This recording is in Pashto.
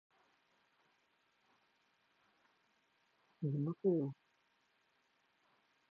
زه د سونا او یخو اوبو فعالیت په خوندي توګه ترسره کوم.